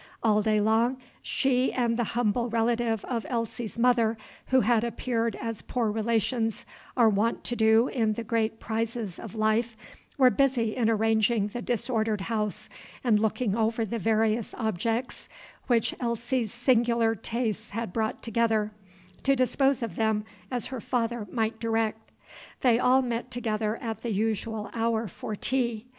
All day long she and the humble relative of Elsie's mother, who had appeared as poor relations are wont to in the great prises of life, were busy in arranging the disordered house, and looking over the various objects which Elsie's singular tastes had brought together, to dispose of them as her father might direct. They all met together at the usual hour for tea.